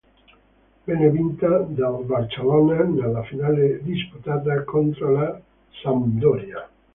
Venne vinta dal Barcellona nella finale disputata contro la Sampdoria.